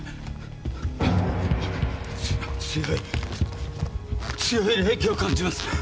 強い強い霊気を感じます！